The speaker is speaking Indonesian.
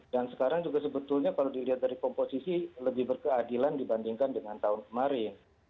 dan sekarang juga sebetulnya kalau dilihat dari komposisi lebih berkeadilan dibandingkan dengan tahun kemarin